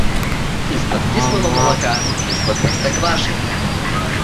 Из-под кислого молока, из-под простокваши.